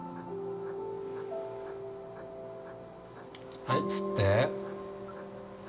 はい吸って。